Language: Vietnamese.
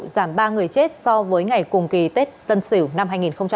giảm ba người chết so với ngày cùng kỳ tết tân sửu năm hai nghìn hai mươi một